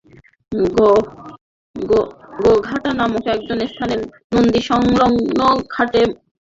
গোঘাটা নামক স্থানে নদীসংলগ্ন খালের মুখে রয়েছে তিন কপাটের একটি স্লুইসগেট।